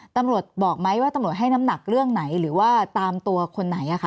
ตำรวจบอกไหมว่าตำรวจให้น้ำหนักเรื่องไหนหรือว่าตามตัวคนไหน